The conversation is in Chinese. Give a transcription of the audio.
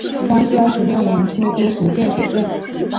光绪二十六年出督福建学政。